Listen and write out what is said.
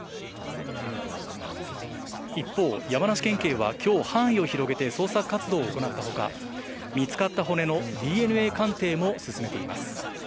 一方、山梨県警はきょう、範囲を広げて捜索活動を行ったほか、見つかった骨のＤＮＡ鑑定も進めています。